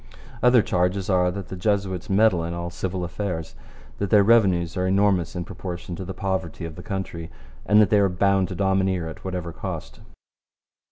Other charges are that the Jesuits meddle in all civil affairs, that their revenues are enormous in proportion to the poverty of the country, and that they are bound to domineer at whatever cost.